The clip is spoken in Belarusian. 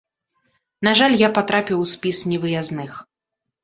На жаль, я патрапіў у спіс невыязных.